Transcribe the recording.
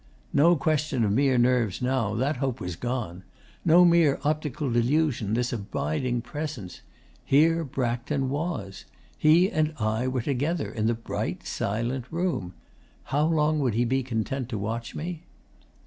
'No question of mere nerves now. That hope was gone. No mere optical delusion, this abiding presence. Here Braxton was. He and I were together in the bright, silent room. How long would he be content to watch me?